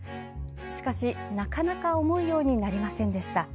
しかし、なかなか思うようになりませんでした。